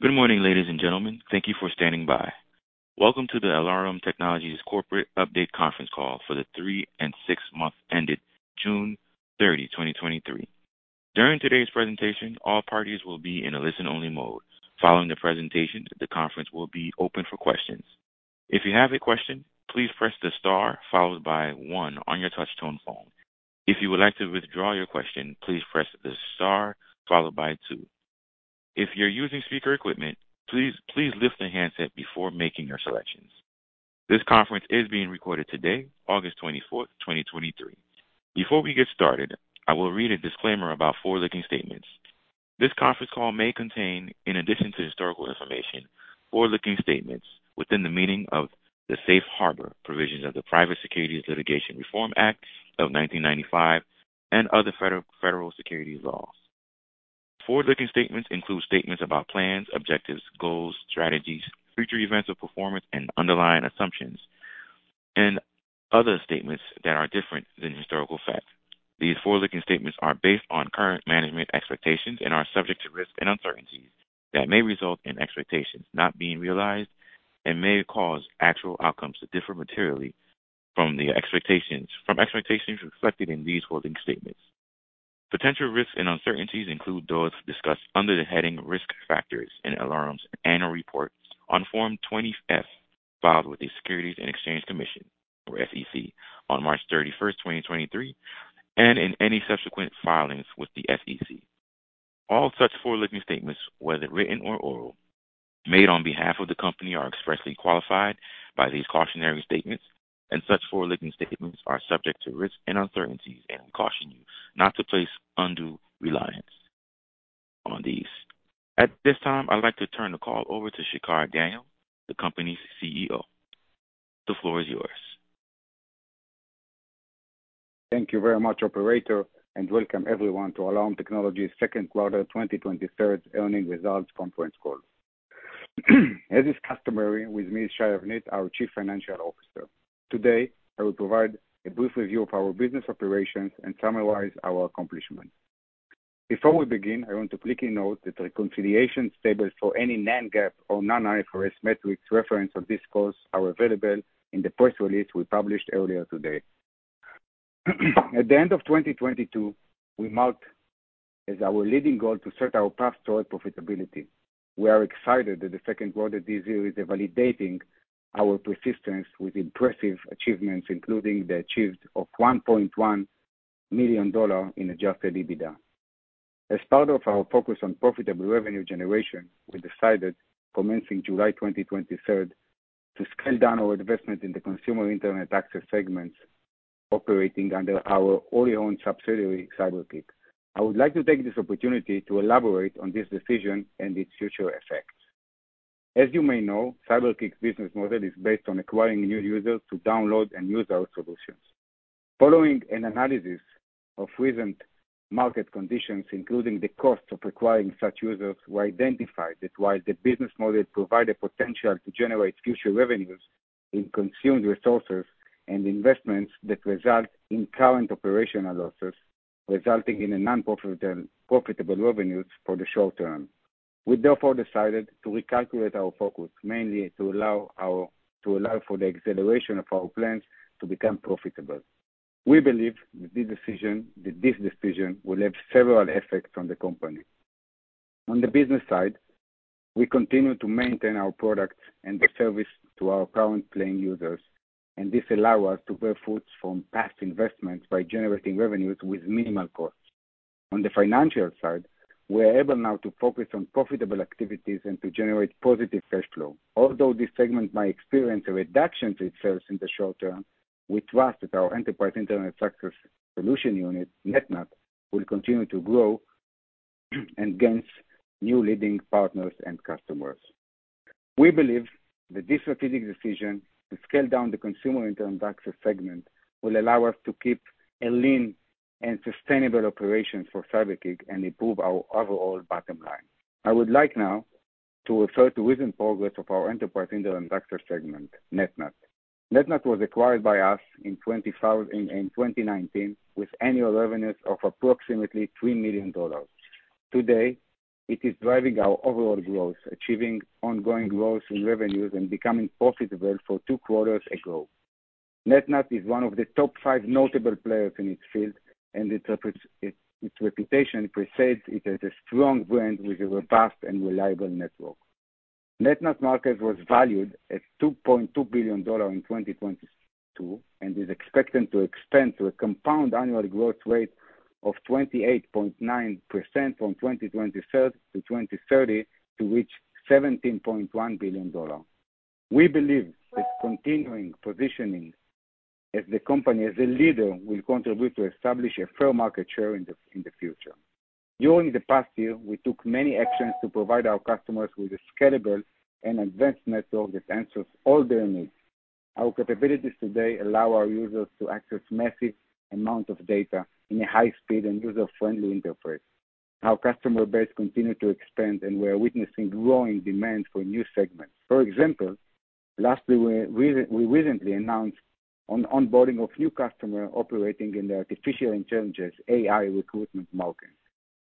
Good morning, ladies and gentlemen. Thank you for standing by. Welcome to the Alarum Technologies Corporate Update Conference Call for the three and six months ended June 30, 2023. During today's presentation, all parties will be in a listen-only mode. Following the presentation, the conference will be open for questions. If you have a question, please press the star followed by one on your touchtone phone. If you would like to withdraw your question, please press the star followed by two. If you're using speaker equipment, please, please lift the handset before making your selections. This conference is being recorded today, August 24, 2023. Before we get started, I will read a disclaimer about forward-looking statements. This conference call may contain, in addition to historical information, forward-looking statements within the meaning of the Safe Harbor provisions of the Private Securities Litigation Reform Act of 1995 and other federal, federal securities laws. Forward-looking statements include statements about plans, objectives, goals, strategies, future events or performance, and underlying assumptions, and other statements that are different than historical facts. These forward-looking statements are based on current management expectations and are subject to risks and uncertainties that may result in expectations not being realized and may cause actual outcomes to differ materially from the expectations, from expectations reflected in these forward-looking statements. Potential risks and uncertainties include those discussed under the heading Risk Factors in Alarum's Annual Report on Form 20-F, filed with the Securities and Exchange Commission or SEC on March 31st, 2023, and in any subsequent filings with the SEC. All such forward-looking statements, whether written or oral, made on behalf of the company, are expressly qualified by these cautionary statements, and such forward-looking statements are subject to risks and uncertainties, and we caution you not to place undue reliance on these. At this time, I'd like to turn the call over to Shachar Daniel, the company's CEO. The floor is yours. Thank you very much, operator, and welcome everyone to Alarum Technologies' second quarter 2023 Earnings Results Conference Call. As is customary, with me is Shai Avnit, our Chief Financial Officer. Today, I will provide a brief review of our business operations and summarize our accomplishments. Before we begin, I want to quickly note that the reconciliation tables for any non-GAAP or non-IFRS metrics referenced on this call are available in the press release we published earlier today. At the end of 2022, we marked as our leading goal to set our path toward profitability. We are excited that the second quarter this year is validating our persistence with impressive achievements, including the achievement of $1.1 million in adjusted EBITDA. As part of our focus on profitable revenue generation, we decided, commencing July 20, 2023, to scale down our investment in the consumer internet access segments, operating under our wholly-owned subsidiary, CyberKick. I would like to take this opportunity to elaborate on this decision and its future effects. As you may know, CyberKick's business model is based on acquiring new users to download and use our solutions. Following an analysis of recent market conditions, including the cost of acquiring such users, we identified that while the business model provided potential to generate future revenues in consumed resources and investments that result in current operational losses, resulting in a non-profitable revenues for the short term. We therefore decided to recalculate our focus, mainly to allow for the acceleration of our plans to become profitable. We believe that this decision will have several effects on the company. On the business side, we continue to maintain our products and the service to our current paying users, and this allow us to bear fruits from past investments by generating revenues with minimal cost. On the financial side, we are able now to focus on profitable activities and to generate positive cash flow. Although this segment might experience a reduction to its sales in the short term, we trust that our enterprise internet access solution unit, NetNut, will continue to grow and gain new leading partners and customers. We believe that this strategic decision to scale down the consumer internet access segment will allow us to keep a lean and sustainable operations for CyberKick and improve our overall bottom line. I would like now to refer to recent progress of our enterprise internet access segment, NetNut. NetNut was acquired by us in 2019, with annual revenues of approximately $3 million. Today, it is driving our overall growth, achieving ongoing growth in revenues and becoming profitable two quarters ago. NetNut is one of the top 5 notable players in its field, and its reputation precedes it as a strong brand with a robust and reliable network. NetNut market was valued at $2.2 billion in 2022, and is expected to expand to a compound annual growth rate of 28.9% from 2023-2030 to reach $17.1 billion. We believe that continuing positioning as the company, as a leader, will contribute to establish a fair market share in the future. During the past year, we took many actions to provide our customers with a scalable and advanced network that answers all their needs. Our capabilities today allow our users to access massive amounts of data in a high speed and user-friendly interface. Our customer base continue to expand, and we are witnessing growing demand for new segments. For example, lastly, we recently announced on onboarding of new customer operating in the artificial intelligence, AI recruitment market.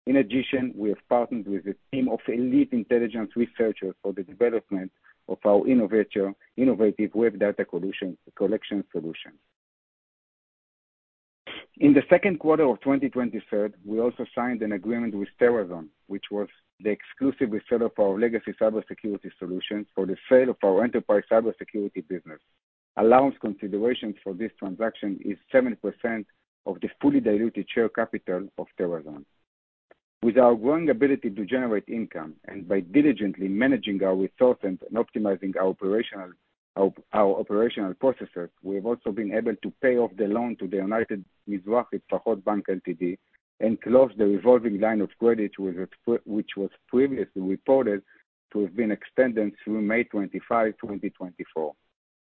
In addition, we have partnered with a team of elite intelligence researchers for the development of our innovative web data collection solution. In the second quarter of 2023, we also signed an agreement with TerraZone, which was the exclusive reseller for our legacy cybersecurity solution for the sale of our enterprise cybersecurity business. As consideration for this transaction is 70% of the fully diluted share capital of TerraZone. With our growing ability to generate income, and by diligently managing our resources and optimizing our operational processes, we have also been able to pay off the loan to the United Mizrahi-Tefahot Bank Ltd., and close the revolving line of credit, which was previously reported to have been extended through May 25, 2024.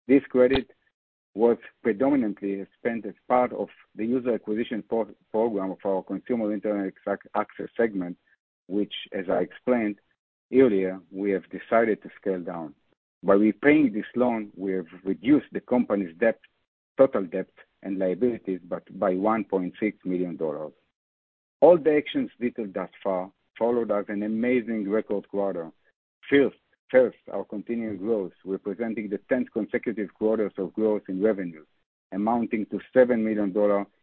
This credit was predominantly spent as part of the user acquisition program of our consumer internet access segment, which, as I explained earlier, we have decided to scale down. By repaying this loan, we have reduced the company's debt, total debt and liabilities, by $1.6 million. All the actions detailed thus far followed as an amazing record quarter. First, our continued growth, representing the tenth consecutive quarters of growth in revenues, amounting to $7 million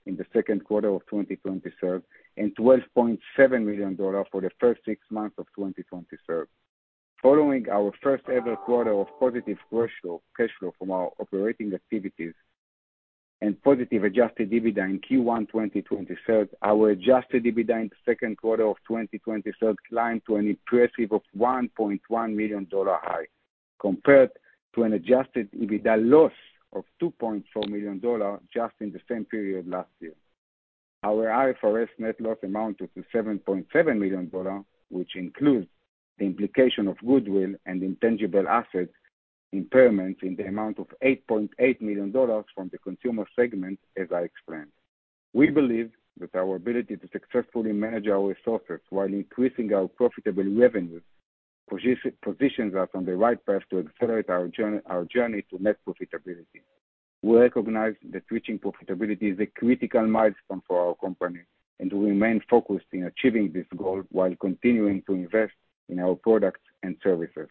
in the second quarter of 2023, and $12.7 million for the first six months of 2023. Following our first ever quarter of positive cash flow, cash flow from our operating activities and positive Adjusted EBITDA in Q1 2023, our Adjusted EBITDA in the second quarter of 2023 climbed to an impressive of $1.1 million high, compared to an Adjusted EBITDA loss of $2.4 million just in the same period last year. Our IFRS net loss amounted to $7.7 million, which includes the impairment of goodwill and intangible assets in the amount of $8.8 million from the consumer segment, as I explained. We believe that our ability to successfully manage our resources while increasing our profitable revenues, positions us on the right path to accelerate our journey to net profitability. We recognize that reaching profitability is a critical milestone for our company and we remain focused in achieving this goal while continuing to invest in our products and services.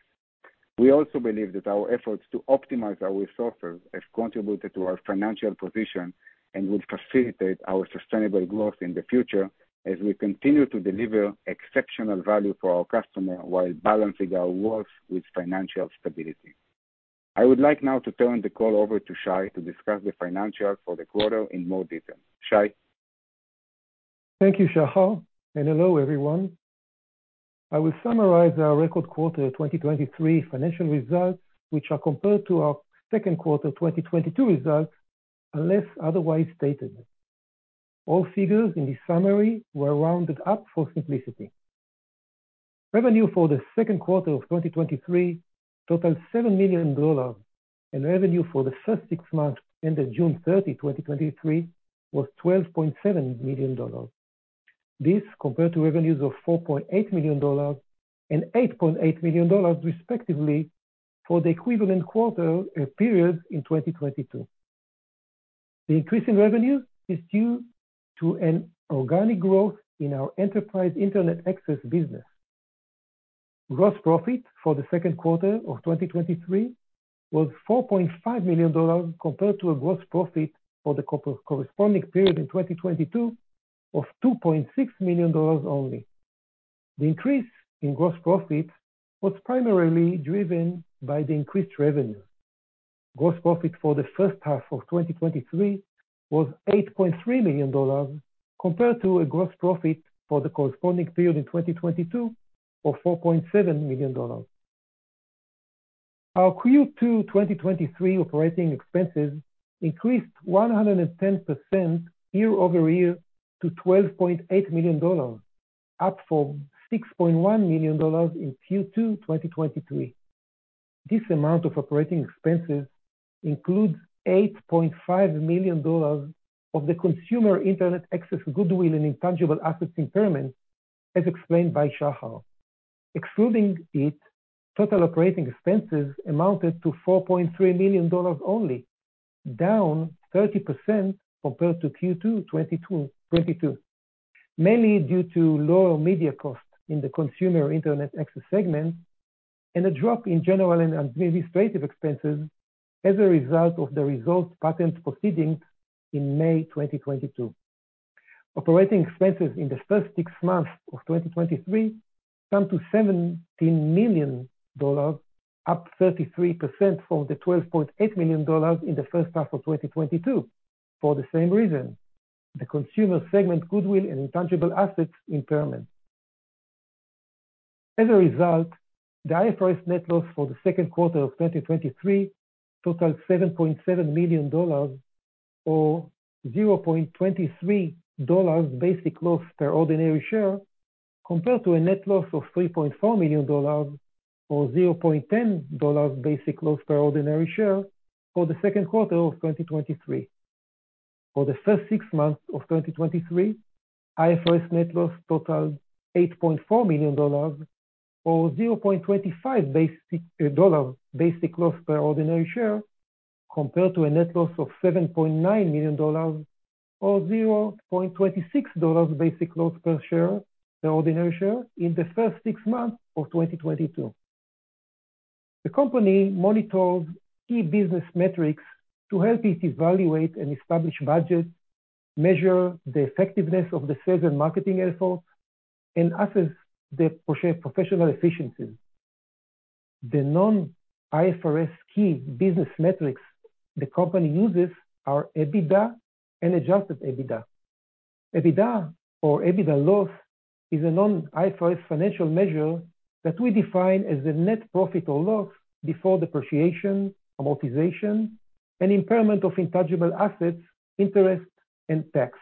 We also believe that our efforts to optimize our resources have contributed to our financial position and will facilitate our sustainable growth in the future as we continue to deliver exceptional value for our customers while balancing our works with financial stability. I would like now to turn the call over to Shai to discuss the financials for the quarter in more detail. Shai? Thank you, Shachar, and hello, everyone. I will summarize our record quarter 2023 financial results, which are compared to our second quarter 2022 results, unless otherwise stated. All figures in this summary were rounded up for simplicity. Revenue for the second quarter of 2023 totaled $7 million, and revenue for the first six months ended June 30, 2023, was $12.7 million. This, compared to revenues of $4.8 million and $8.8 million, respectively, for the equivalent quarter, period in 2022. The increase in revenue is due to an organic growth in our enterprise internet access business. Gross profit for the second quarter of 2023 was $4.5 million, compared to a gross profit for the corresponding period in 2022 of $2.6 million only. The increase in gross profit was primarily driven by the increased revenue. Gross profit for the first half of 2023 was $8.3 million, compared to a gross profit for the corresponding period in 2022 of $4.7 million. Our Q2 2023 operating expenses increased 110% year-over-year to $12.8 million, up from $6.1 million in Q2 2022. This amount of operating expenses includes $8.5 million of the consumer internet access goodwill and intangible assets impairment, as explained by Shachar. Excluding it, total operating expenses amounted to $4.3 million only, down 30% compared to Q2 2022. Mainly due to lower media costs in the consumer internet access segment, and a drop in general and administrative expenses as a result of the resolved patent proceedings in May 2022. Operating expenses in the first six months of 2023 came to $17 million, up 33% from the $12.8 million in the first half of 2022, for the same reason, the consumer segment goodwill and intangible assets impairment. As a result, the IFRS net loss for the second quarter of 2023 totaled $7.7 million, or $0.23 dollars basic loss per ordinary share, compared to a net loss of $3.4 million, or $0.10 dollars basic loss per ordinary share for the second quarter of 2023. For the first six months of 2023, IFRS net loss totaled $8.4 million, or $0.25 basic dollars basic loss per ordinary share, compared to a net loss of $7.9 million, or $0.26 dollars basic loss per share, the ordinary share, in the first six months of 2022. The company monitors key business metrics to help it evaluate and establish budgets, measure the effectiveness of the sales and marketing efforts, and assess the professional efficiencies. The non-IFRS key business metrics the company uses are EBITDA and adjusted EBITDA. EBITDA or EBITDA loss is a non-IFRS financial measure that we define as the net profit or loss before depreciation, amortization, and impairment of intangible assets, interest, and tax.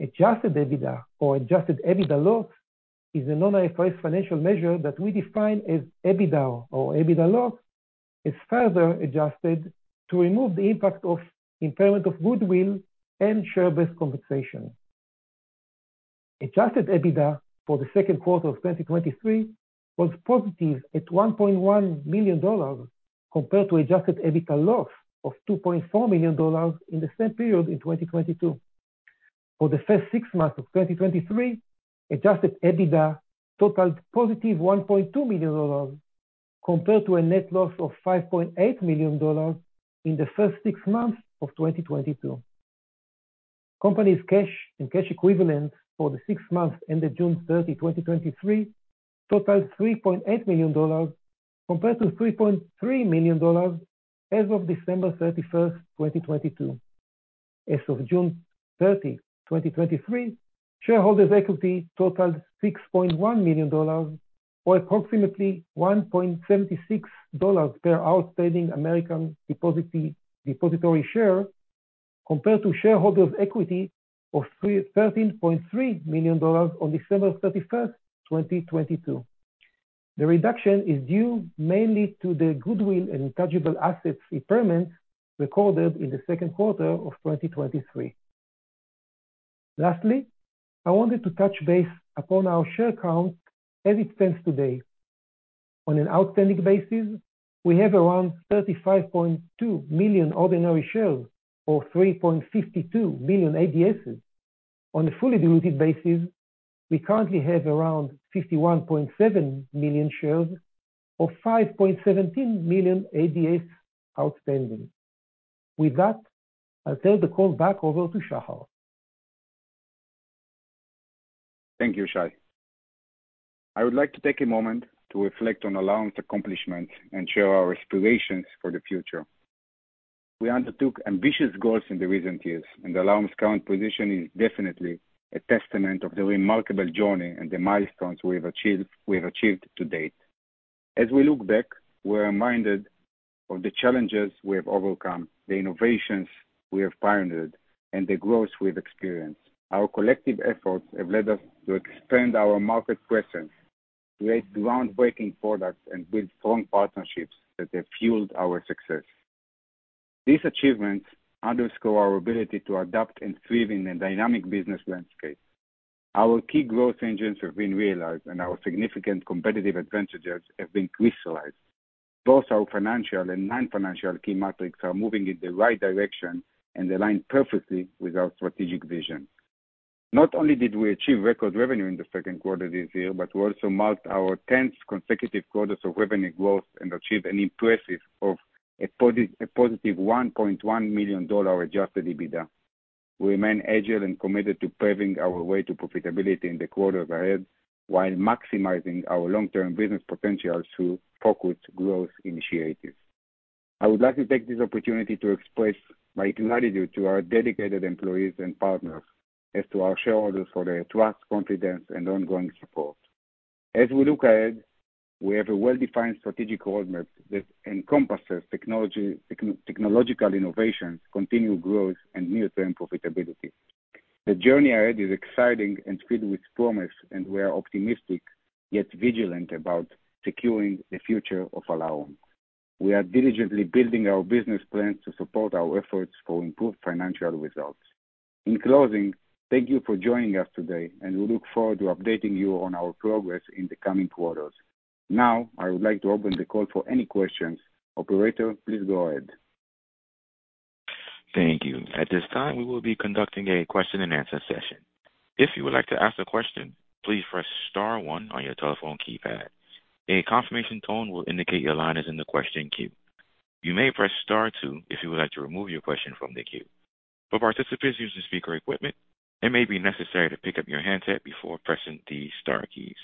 Adjusted EBITDA or adjusted EBITDA loss is a non-IFRS financial measure that we define as EBITDA or EBITDA loss, is further adjusted to remove the impact of impairment of goodwill and share-based compensation. Adjusted EBITDA for the second quarter of 2023 was positive at $1.1 million, compared to adjusted EBITDA loss of $2.4 million in the same period in 2022. For the first six months of 2023, adjusted EBITDA totaled positive $1.2 million, compared to a net loss of $5.8 million in the first six months of 2022. Company's cash and cash equivalents for the six months ended June 30, 2023, totaled $3.8 million, compared to $3.3 million as of December 31, 2022. As of June 30, 2023, shareholders' equity totaled $6.1 million, or approximately $1.76 per outstanding American Depositary Share, compared to shareholders' equity of $13.3 million on December 31st, 2022. The reduction is due mainly to the goodwill and intangible assets impairment recorded in the second quarter of 2023. Lastly, I wanted to touch base upon our share count as it stands today. On an outstanding basis, we have around 35.2 million ordinary shares, or 3.52 million ADSs. On a fully diluted basis, we currently have around 51.7 million shares, or 5.17 million ADSs outstanding. With that, I'll turn the call back over to Shachar. Thank you, Shai. I would like to take a moment to reflect on Alarum's accomplishments and share our aspirations for the future. We undertook ambitious goals in the recent years, and Alarum's current position is definitely a testament of the remarkable journey and the milestones we've achieved, we have achieved to date. As we look back, we're reminded of the challenges we have overcome, the innovations we have pioneered, and the growth we've experienced. Our collective efforts have led us to expand our market presence, create groundbreaking products, and build strong partnerships that have fueled our success. These achievements underscore our ability to adapt and thrive in a dynamic business landscape. Our key growth engines have been realized, and our significant competitive advantages have been crystallized. Both our financial and non-financial key metrics are moving in the right direction and align perfectly with our strategic vision. Not only did we achieve record revenue in the second quarter this year, but we also marked our tenth consecutive quarters of revenue growth and achieved an impressive positive $1.1 million Adjusted EBITDA. We remain agile and committed to paving our way to profitability in the quarters ahead, while maximizing our long-term business potential through focused growth initiatives. I would like to take this opportunity to express my gratitude to our dedicated employees and partners, as to our shareholders for their trust, confidence, and ongoing support. As we look ahead, we have a well-defined strategic roadmap that encompasses technology, technological innovation, continued growth, and near-term profitability. The journey ahead is exciting and filled with promise, and we are optimistic, yet vigilant about securing the future of Alarum. We are diligently building our business plans to support our efforts for improved financial results. In closing, thank you for joining us today, and we look forward to updating you on our progress in the coming quarters. Now, I would like to open the call for any questions. Operator, please go ahead. Thank you. At this time, we will be conducting a question-and-answer session. If you would like to ask a question, please press star one on your telephone keypad. A confirmation tone will indicate your line is in the question queue. You may press star two if you would like to remove your question from the queue. For participants using speaker equipment, it may be necessary to pick up your handset before pressing the star keys.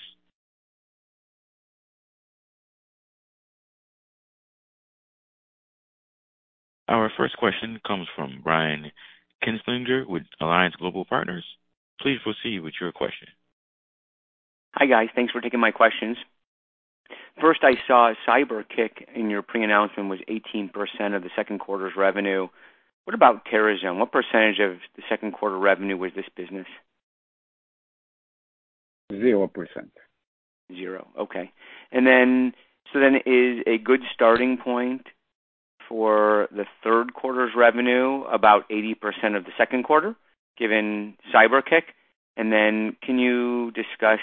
Our first question comes from Brian Kinstlinger with Alliance Global Partners. Please proceed with your question. Hi, guys. Thanks for taking my questions. First, I saw CyberKick in your pre-announcement was 18% of the second quarter's revenue. What about NetNut? What percentage of the second quarter revenue was this business?... 0%. Zero. Okay. And then, so then is a good starting point for the third quarter's revenue, about 80% of the second quarter, given CyberKick? And then can you discuss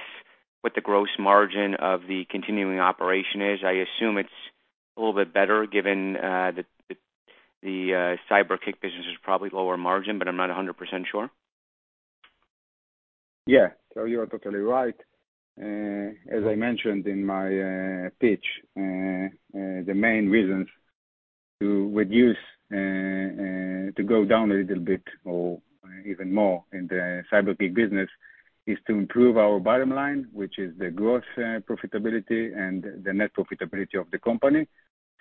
what the gross margin of the continuing operation is? I assume it's a little bit better, given the CyberKick business is probably lower margin, but I'm not 100% sure. Yeah. So you are totally right. As I mentioned in my pitch, the main reasons to reduce to go down a little bit or even more in the CyberKick business is to improve our bottom line, which is the gross profitability and the net profitability of the company.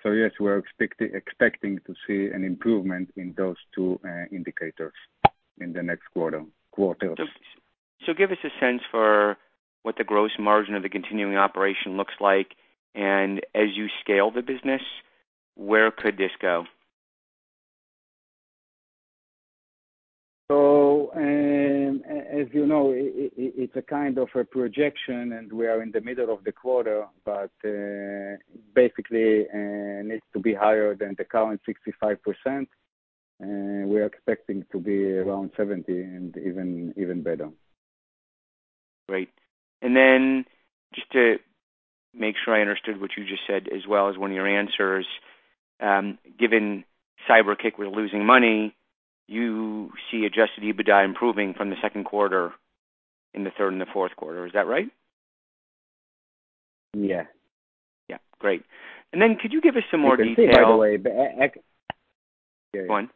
So yes, we're expecting to see an improvement in those two indicators in the next quarter, quarters. Give us a sense for what the gross margin of the continuing operation looks like, and as you scale the business, where could this go? So, as you know, it's a kind of a projection, and we are in the middle of the quarter, but basically needs to be higher than the current 65%. We're expecting to be around 70 and even better. Great. And then just to make sure I understood what you just said as well as one of your answers, given CyberKick, we're losing money, you see Adjusted EBITDA improving from the second quarter in the third and the fourth quarter. Is that right? Yeah. Yeah. Great. And then could you give us some more detail- By the way, but I- Go on.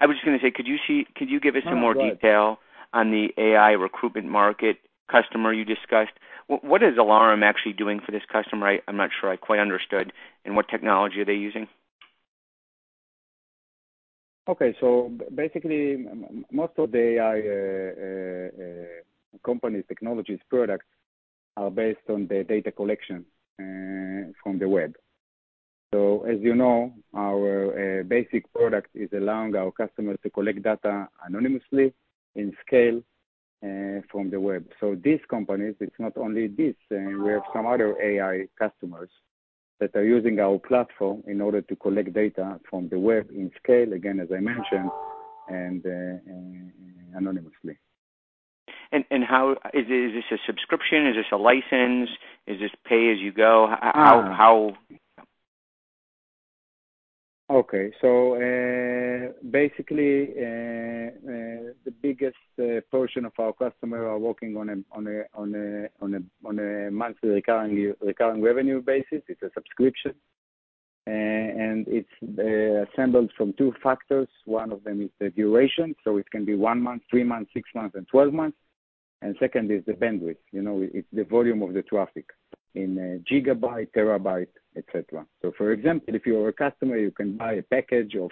I was just gonna say, could you give us some more detail on the AI recruitment market customer you discussed? What is Alarum actually doing for this customer? I'm not sure I quite understood, and what technology are they using? Okay, so basically, most of the AI company's technologies products are based on the data collection from the web. So as you know, our basic product is allowing our customers to collect data anonymously in scale from the web. So these companies, it's not only this, we have some other AI customers that are using our platform in order to collect data from the web in scale, again, as I mentioned, and anonymously. How... Is this a subscription? Is this a license? Is this pay-as-you-go? How, how? Okay, so, basically, the biggest portion of our customers are working on a monthly recurring revenue basis. It's a subscription, and it's assembled from two factors. One of them is the duration, so it can be one month, three months, six months, and twelve months. And second is the bandwidth. You know, it's the volume of the traffic in gigabyte, terabyte, et cetera. So for example, if you're a customer, you can buy a package of,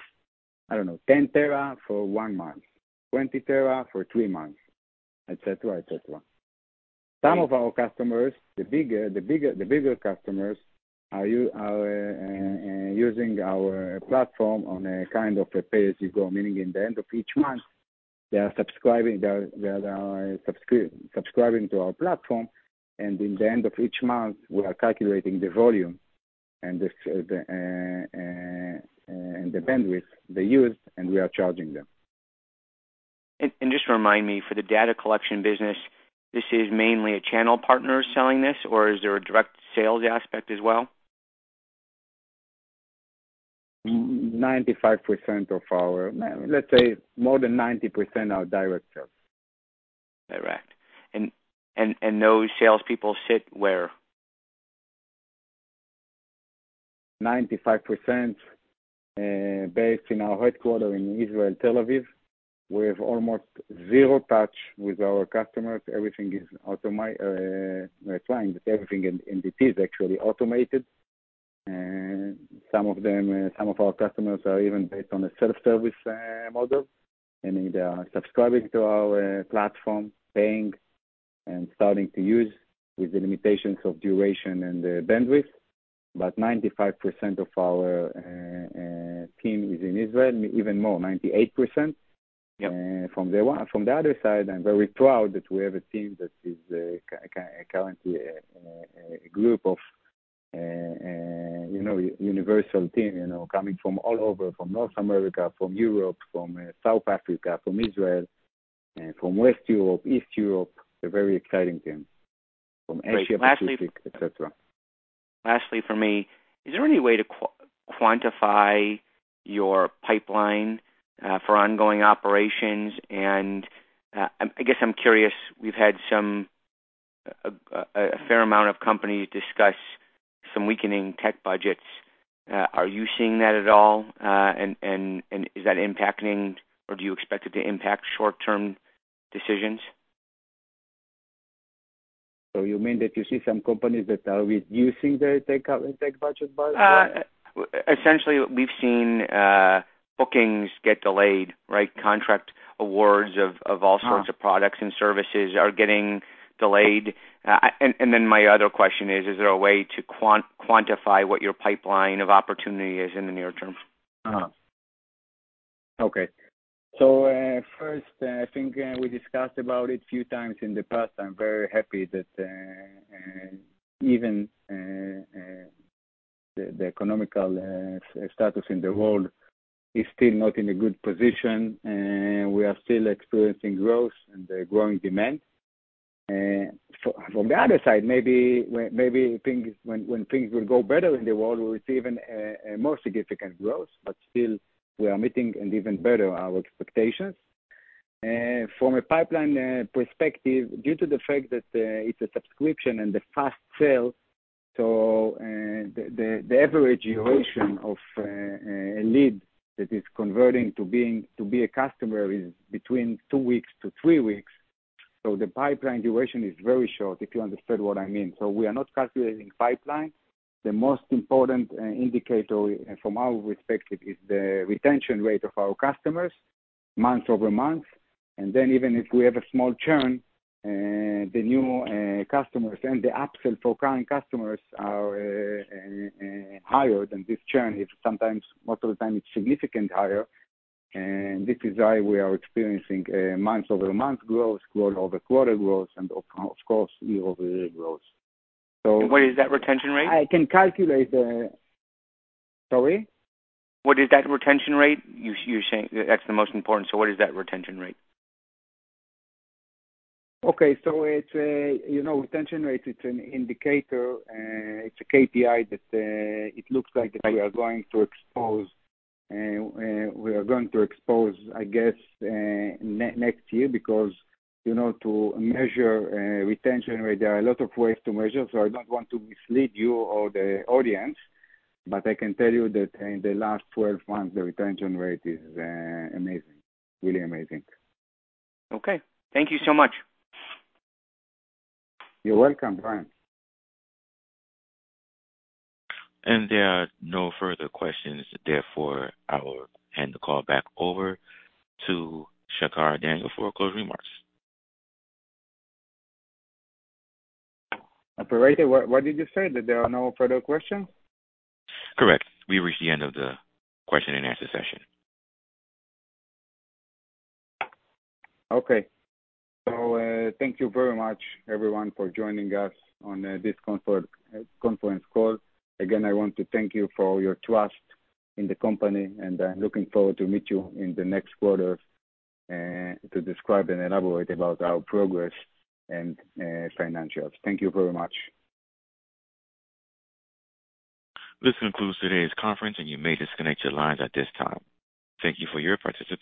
I don't know, 10 tera for one month, 20 tera for three months, et cetera, et cetera. Some of our customers, the bigger customers, are using our platform on a kind of pay-as-you-go, meaning in the end of each month, they are subscribing to our platform, and in the end of each month, we are calculating the volume and the bandwidth they use, and we are charging them. And just remind me, for the data collection business, this is mainly a channel partner selling this, or is there a direct sales aspect as well? 95% of our... Let's say more than 90% are direct sales. Direct. And those salespeople sit where? 95% based in our headquarters in Israel, Tel Aviv. We have almost zero touch with our customers. Everything is automated, clients. Everything in it is actually automated. Some of them, some of our customers are even based on a self-service model, and they are subscribing to our platform, paying and starting to use with the limitations of duration and the bandwidth. But 95% of our team is in Israel, even more, 98%. Yep. From the other side, I'm very proud that we have a team that is currently a group of, you know, universal team, you know, coming from all over, from North America, from Europe, from South Africa, from Israel, from West Europe, East Europe, a very exciting team, from Asia Pacific, et cetera. Lastly, for me, is there any way to quantify your pipeline for ongoing operations? And I guess I'm curious, we've had some a fair amount of companies discuss some weakening tech budgets. Are you seeing that at all? And is that impacting or do you expect it to impact short-term decisions? So you mean that you see some companies that are reducing their tech budget? Essentially, we've seen bookings get delayed, right? Contract awards of all- Ah. - sorts of products and services are getting delayed. And then my other question is, is there a way to quantify what your pipeline of opportunity is in the near term? Okay. So, first, I think, we discussed about it a few times in the past. I'm very happy that even the economic status in the world is still not in a good position, and we are still experiencing growth and growing demand. So from the other side, maybe when things will go better in the world, we'll see even a more significant growth, but still we are meeting and even better our expectations. From a pipeline perspective, due to the fact that it's a subscription and the fast sale, so the average duration of a lead that is converting to being a customer is between two weeks to three weeks. So the pipeline duration is very short, if you understand what I mean. We are not calculating pipeline. The most important indicator from our perspective is the retention rate of our customers month-over-month, and then even if we have a small churn, the new customers and the upsell for current customers are higher than this churn. It's sometimes, most of the time it's significantly higher, and this is why we are experiencing month-over-month growth, quarter-over-quarter growth, and of course, year-over-year growth. So- What is that retention rate? I can calculate the... Sorry? What is that retention rate? You're saying that's the most important, so what is that retention rate? Okay. So it's, you know, retention rate. It's an indicator. It's a KPI that it looks like that we are going to expose, I guess, next year, because, you know, to measure retention rate, there are a lot of ways to measure, so I don't want to mislead you or the audience, but I can tell you that in the last 12 months, the retention rate is amazing. Really amazing. Okay. Thank you so much. You're welcome, Brian. There are no further questions. Therefore, I will hand the call back over to Shachar Daniel for closing remarks. Operator, what, what did you say? That there are no further questions? Correct. We reached the end of the question and answer session. Okay. So, thank you very much, everyone, for joining us on this conference call. Again, I want to thank you for your trust in the company, and I'm looking forward to meet you in the next quarter, to describe and elaborate about our progress and financials. Thank you very much. This concludes today's conference, and you may disconnect your lines at this time. Thank you for your participation.